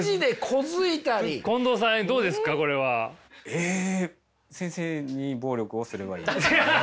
えっ先生に暴力をすればいい。